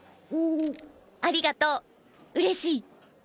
ありがとう嬉しい！